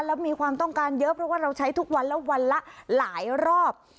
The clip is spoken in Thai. แล้วมีความต้องการเยอะเพราะว่าเราใช้ทุกวันแล้ววันละหลายรอบ